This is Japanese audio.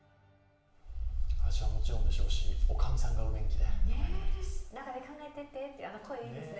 味はもちろんでしょうしおかみさんがお元気で何よりです。